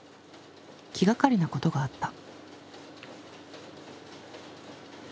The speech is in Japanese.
気がかりなことがあった。